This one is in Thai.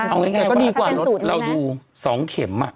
เอาง่ายก็ดีกว่ารถเราดู๒เข็ม